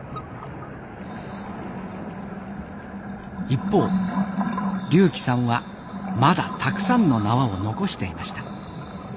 一方龍希さんはまだたくさんの縄を残していました。